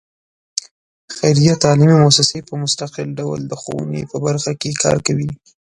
خیریه تعلیمي مؤسسې په مستقل ډول د ښوونې په برخه کې کار کوي.